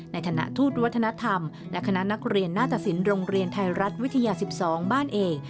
ในฐานะทูตวัฒนธรรมและคณะนักเรียนหน้าตสินโรงเรียนไทยรัฐวิทยา๑๒บ้านเอก